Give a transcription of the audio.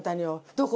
どこ？